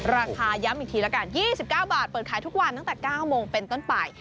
ย้ำอีกทีละกัน๒๙บาทเปิดขายทุกวันตั้งแต่๙โมงเป็นต้นไป